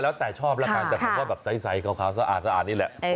ก็แล้วแต่ชอบแล้วกันแต่ผมก็แบบไซเขาขาวสะอาดนี่แหละ